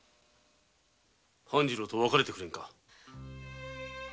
半次郎と別れてくれんか。